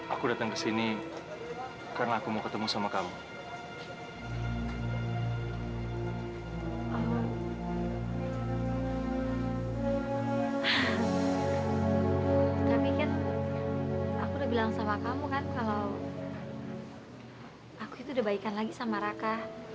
aku bilang sama kamu kan kalau aku itu udah baikan lagi sama raka